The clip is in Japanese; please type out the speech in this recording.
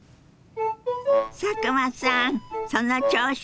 佐久間さんその調子！